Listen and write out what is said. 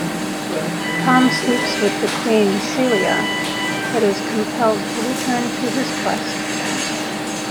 Tom sleeps with the queen, Celia, but is compelled to return to his quest.